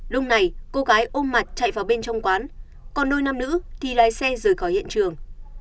lúc này cô gái ôm mặt chạy vào bên trong quán còn đôi nam nữ thì lái xe rời khỏi hiện trường